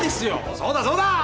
そうだそうだ！